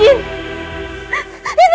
itu tidak mungkin